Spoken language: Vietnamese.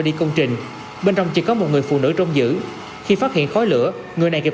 đi công trình bên trong chỉ có một người phụ nữ trong giữ khi phát hiện khói lửa người này kịp